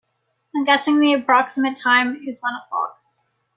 I'm guessing the approximate time is one o'clock.